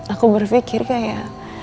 aku berpikir kayak